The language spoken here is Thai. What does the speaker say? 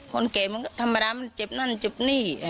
คนแก่มันก็ธรรมดามันเจ็บนั่นเจ็บนี่